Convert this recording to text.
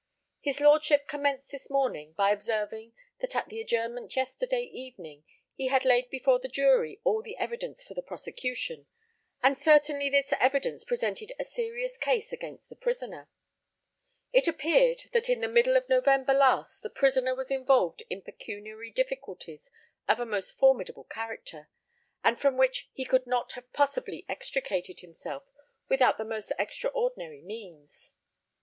His Lordship commenced this morning by observing, that at the adjournment yesterday evening, he had laid before the jury all the evidence for the prosecution, and certainly this evidence presented a serious case against the prisoner. It appeared that in the middle of November last the prisoner was involved in pecuniary difficulties of a most formidable character, and from which he could not have possibly extricated himself without the most extraordinary means.